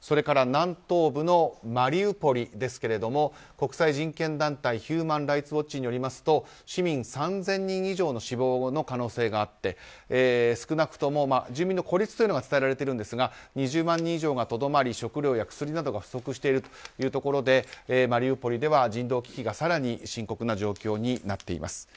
それから南東部のマリウポリでは国際人権団体ヒューマン・ライツ・ウォッチによりますと市民３０００人以上の死亡の可能性があって少なくとも住民の孤立というのが伝えられているんですが２０万人以上がとどまり食料や薬などが不足しているということでマリウポリでは人道危機が深刻な状況になっています。